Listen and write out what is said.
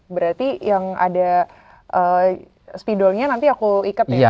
berarti yang ada spidolnya nanti aku ikat ya